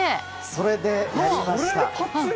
それで、やりました。